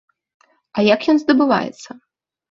А як ён здабываецца?